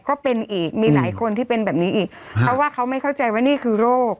ก็เป็นอีกมีหลายคนที่เป็นแบบนี้อีกเพราะว่าเขาไม่เข้าใจว่านี่คือโรค